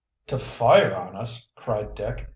"To fire on us!" cried Dick.